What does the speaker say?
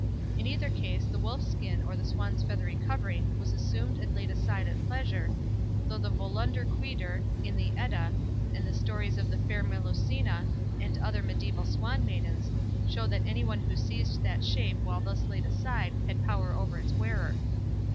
In either case, the wolf's skin or the swan's feathery covering was assumed and laid aside at pleasure, though the Völundr Quidr, in the Edda, and the stories of "The Fair Melusina", and other medieval swan maidens, show that any one who seized that shape while thus laid aside, had power over its wearer.